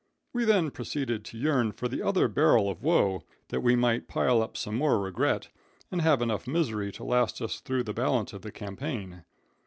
"We then proceeded to yearn for the other barrel of woe, that we might pile up some more regret, and have enough misery to last us through the balance of the campaign.